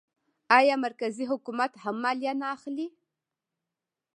آیا مرکزي حکومت هم مالیه نه اخلي؟